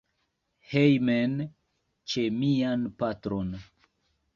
Hejmen, ĉe mian patron.